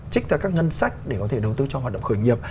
trích ra các ngân sách để có thể đầu tư cho hoạt động khởi nghiệp